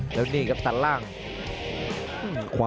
หมดยกที่สองครับ